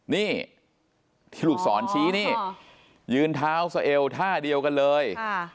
นี่ที่ลูกศรชี้นี่ยืนเท้าสะเอวท่าเดียวกันเลย